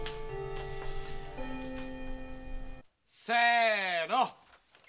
せの。